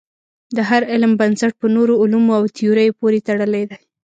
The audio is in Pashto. د هر علم بنسټ په نورو علومو او تیوریو پورې تړلی دی.